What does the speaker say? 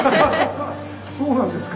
そうなんですか？